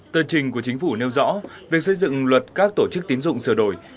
tờ trình của chính phủ nêu rõ việc xây dựng luật các tổ chức tín dụng sửa đổi